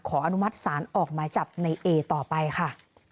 อนุมัติศาลออกหมายจับในเอต่อไปค่ะ